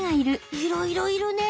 いろいろいるね。